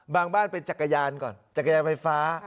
บ้านเป็นจักรยานก่อนจักรยานไฟฟ้า